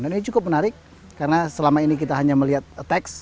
ini cukup menarik karena selama ini kita hanya melihat teks